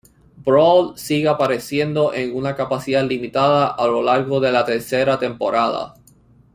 Brawl sigue apareciendo en una capacidad limitada a lo largo de la tercera temporada.